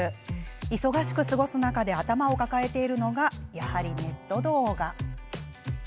忙しく過ごす中で頭を抱えているのがネット動画。